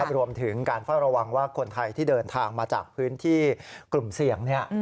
รวมถึงการเฝ้าระวังว่าคนไทยที่เดินทางมาจากพื้นที่กลุ่มเสี่ยง